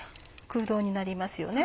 空洞になりますよね。